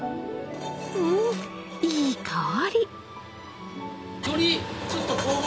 うんいい香り！